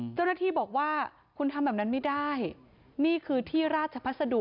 เจ้าหน้าที่บอกว่าคุณทำแบบนั้นไม่ได้นี่คือที่ราชพัสดุ